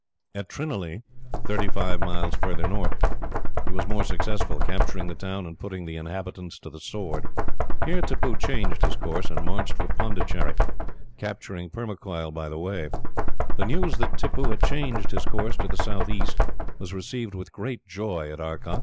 At Trinalee, thirty five miles farther north, he was more successful, capturing the town, and putting the inhabitants to the sword. Here Tippoo changed his course, and marched for Pondicherry, capturing Permacoil by the way. The news that Tippoo had changed his course, to the southeast, was received with great joy at Arcot.